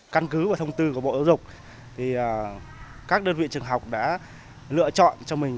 căn cứ và thông tư của bộ giáo dục thì các đơn vị trường học đã lựa chọn cho mình